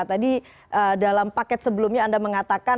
tadi dalam paket sebelumnya anda mengatakan